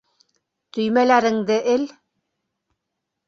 Төймәләреңде эл!